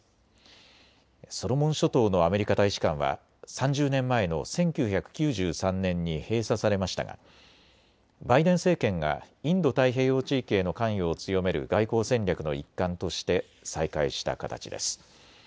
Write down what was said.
ソロモン諸島のアメリカ大使館は３０年前の１９９３年に閉鎖されましたがバイデン政権がインド太平洋地域への関与を強める外交戦略の一環として再開した形です。